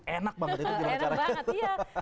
enak banget ya